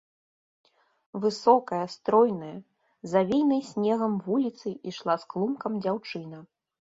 Высокая, стройная, завеянай снегам вуліцаю ішла з клумкам дзяўчына.